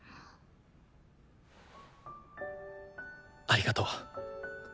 ありがとう。